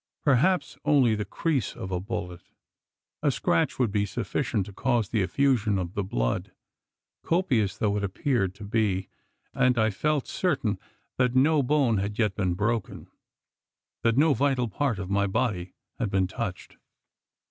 Perhaps only the crease of a bullet? A scratch would be sufficient to cause the effusion of the blood copious though it appeared to be; and I felt certain that no bone had yet been broken that no vital part of my body had been touched.